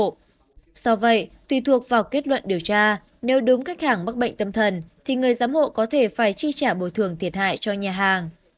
do vậy tùy thuộc vào kết luận điều tra nếu đúng khách hàng mắc bệnh tâm thần thì người giám hộ có thể phải chi trả bồi thường thiệt hại cho nhà hàng